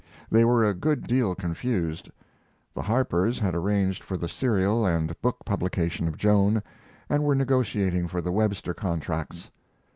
They were a good deal confused. The Harpers had arranged for the serial and book publication of Joan, and were negotiating for the Webster contracts.